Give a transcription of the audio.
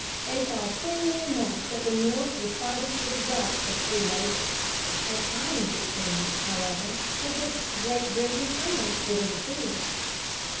They saw clearly enough that the North was fighting for the rights of free labor. At times it seemed, however, as if Great Britain or France would interfere.